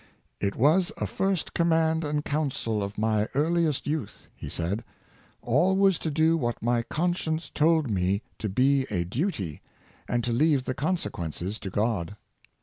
'' It was a first command and counsel of my earliest youth," he said, " always to do what my conscience told me to be a duty, and to leave the consequences to God.